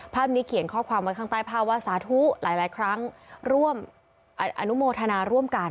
ภาพนี้เขียนข้อความไว้ข้างใต้ภาพว่าสาธุหลายครั้งร่วมอนุโมทนาร่วมกัน